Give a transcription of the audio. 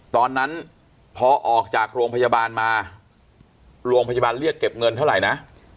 ตอนนั้นพอออกจากโรงพยาบาลมาโรงพยาบาลเรียกเก็บเงินเท่าไหร่นะ